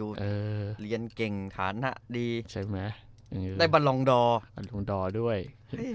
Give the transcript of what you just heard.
ดูเออเรียนเก่งฐานะดีใช่ไหมได้บัลลองดอร์บัลลองดอร์ด้วยเฮ้ย